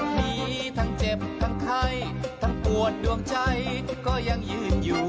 มีทั้งเจ็บทั้งไข้ทั้งปวดดวงใจก็ยังยืนอยู่